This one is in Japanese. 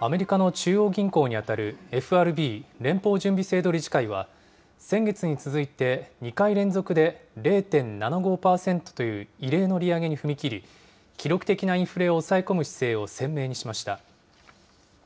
アメリカの中央銀行に当たるＦＲＢ・連邦準備制度理事会は、先月に続いて２回連続で０．７５％という異例の利上げに踏み切り、記録的なインフレを抑え込む姿勢を鮮明にしました。